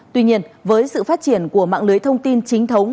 tuy nhiên với sự phát triển của mạng lưới thông tin chính thống